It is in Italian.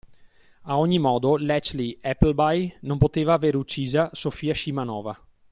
A ogni modo, Letchley Appleby non poteva avere uccisa Sofia Scimanova.